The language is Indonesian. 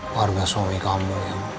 warga suami kamu